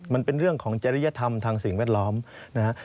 มันเป็นเรื่องของจริยธรรมทางสิ่งแวดล้อมนะฮะ